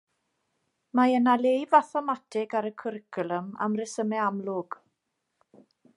Mae yna le i fathemateg ar y cwricwlwm am resymau amlwg